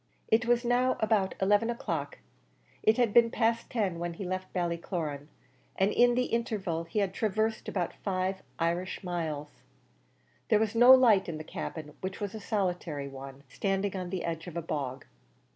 It was now about eleven o'clock; it had been past ten when he left Ballycloran, and in the interval he had traversed above five Irish miles. There was no light in the cabin, which was a solitary one, standing on the edge of a bog.